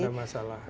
gak ada masalah